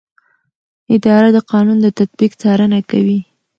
اداره د قانون د تطبیق څارنه کوي.